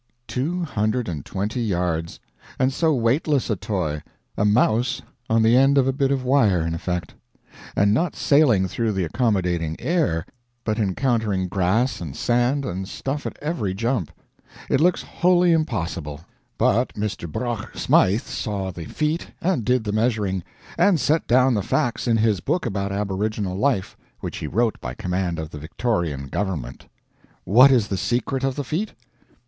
Two hundred and twenty yards; and so weightless a toy a mouse on the end of a bit of wire, in effect; and not sailing through the accommodating air, but encountering grass and sand and stuff at every jump. It looks wholly impossible; but Mr. Brough Smyth saw the feat and did the measuring, and set down the facts in his book about aboriginal life, which he wrote by command of the Victorian Government. What is the secret of the feat?